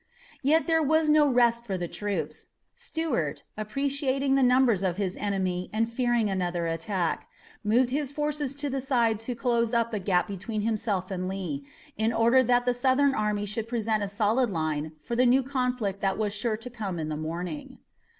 Yet there was no rest for the troops. Stuart, appreciating the numbers of his enemy and fearing another attack, moved his forces to the side to close up the gap between himself and Lee, in order that the Southern army should present a solid line for the new conflict that was sure to come in the morning.